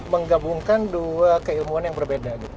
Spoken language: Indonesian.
menggabungkan dua keilmuan yang berbeda